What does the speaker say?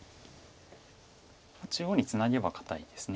中央にツナげば堅いです。